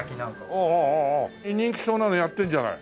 ああああ人気そうなのやってるじゃない。